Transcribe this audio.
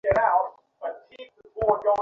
Inspector মালটা একটা প্যারা।